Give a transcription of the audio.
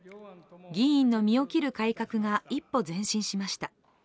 議員の身を切る改革が一歩前進しました。